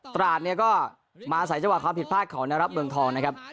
ตราดเนี่ยก็มาใส่จังหวะความผิดพลาดของนรับเมืองทองนะครับ